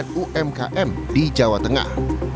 untuk mempromosikan umkm di jawa tengah